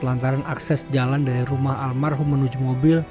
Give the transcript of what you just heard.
lantaran akses jalan dari rumah almarhum menuju mobil